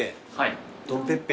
ドン・ペッペ。